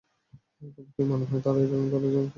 তোমার কি মনে হয় তার এই ড্রয়িং করার মধ্যে কোনো অর্থ আছে।